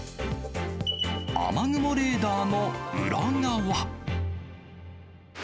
雨雲レーダーのウラ側。